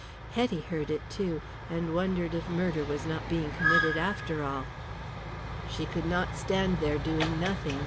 Hetty heard it too, and wondered if murder was not being committed after all. She could not stand there doing nothing.